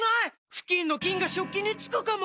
フキンの菌が食器につくかも⁉